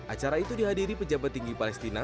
acara itu dihadiri pejabat tinggi palestina